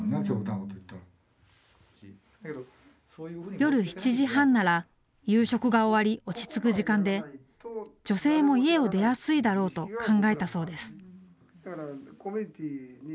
夜７時半なら夕食が終わり、落ち着く時間で女性も家を出やすいだろうと考えたそうです。